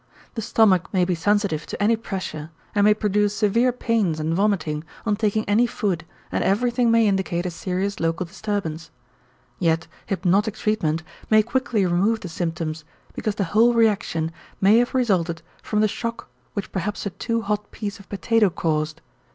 The stomach may be sensitive to any pressure and may produce severe pains and vomiting on taking any food and everything may indicate a serious local disturbance. Yet hypnotic treatment may quickly remove the symptoms because the whole reaction may have resulted from the shock which perhaps a too hot piece of potato caused.